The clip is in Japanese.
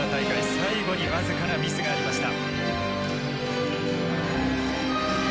最後に僅かなミスがありました。